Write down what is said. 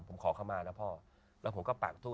ผมขอเข้ามานะพ่อแล้วผมก็ปากตู้